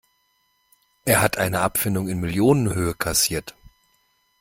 Er hat eine Abfindung in Millionenhöhe kassiert.